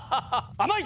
甘い！